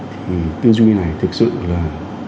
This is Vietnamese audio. thì tiêu dung như này thực sự là